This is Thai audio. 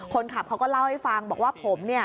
คนขับเขาก็เล่าให้ฟังบอกว่าผมเนี่ย